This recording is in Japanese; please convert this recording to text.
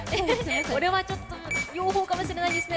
これはちょっと両方かもしれないですね。